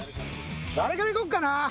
誰からいこうかな。